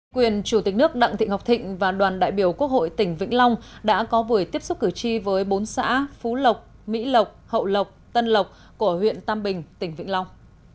quyền chủ tịch nước đặng thị ngọc thịnh và đoàn đại biểu quốc hội tỉnh vĩnh long đã có buổi tiếp xúc cử tri với bốn xã phú lộc mỹ lộc hậu lộc tân lộc của huyện tam bình tỉnh vĩnh long